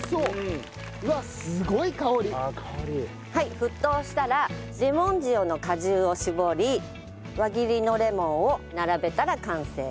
沸騰したらレモン塩の果汁を搾り輪切りのレモンを並べたら完成です。